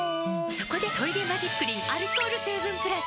そこで「トイレマジックリン」アルコール成分プラス！